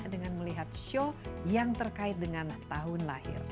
dengan melihat show yang terkait dengan tahun lahir